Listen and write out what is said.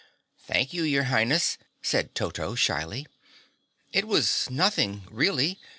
"Thank you, your Highness," said Toto shyly. "It was nothing, really.